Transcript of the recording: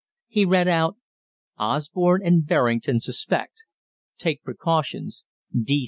He read out: "_Osborne and Berrington suspect. Take precautions.